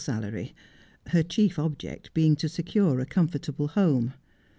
salary, her chief object being to secure a comfortable home.